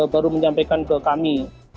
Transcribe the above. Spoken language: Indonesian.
baru menyampaikan ke kami